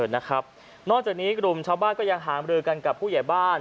นอกจากนี้กลุ่มชาวบ้านก็ยังหามรือกันกับผู้ใหญ่บ้าน